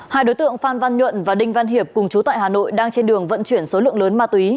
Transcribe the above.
hai đối tượng phan văn nhuận và đinh văn hiệp cùng chú tại hà nội đang trên đường vận chuyển số lượng lớn ma túy